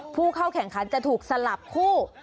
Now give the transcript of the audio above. ผู้เข้าแข่งขันจะถูกสลับคู่